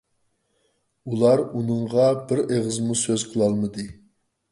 ئۇلار ئۇنىڭغا بىر ئېغىزمۇ سۆز قىلالمىدى.